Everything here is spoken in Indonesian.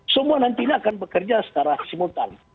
semua nantinya akan bekerja secara simultan